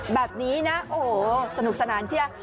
แบบนี้นะโอ้โหสนุกสนานเชียว